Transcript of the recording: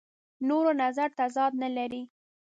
نورو نظر تضاد نه لري.